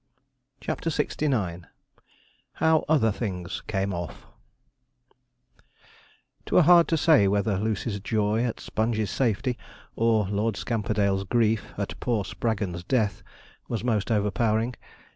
CHAPTER LXIX HOW OTHER THINGS CAME OFF 'Twere hard to say whether Lucy's joy at Sponge's safety, or Lord Scamperdale's grief at poor Spraggon's death, was most overpowering.